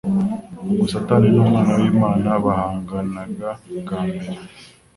Ubwo Satani n'Umwana w'Imana bahanganaga bwa mbere,